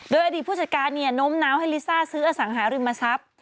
โดยอดีตผู้จัดการโน้มน้าวให้ลิซ่าซื้ออสังหาริมทรัพย์